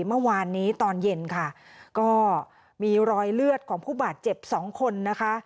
เมื่อวานนี้ตอนเย็นค่ะก็มีรอยเลือดของผู้บาดเจ็บสองคนนะคะ